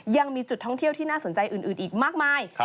ยังมีจุดท่องเที่ยวที่น่าสนใจอื่นอีกมากมาย